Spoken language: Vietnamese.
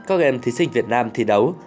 các em thí sinh việt nam thi đấu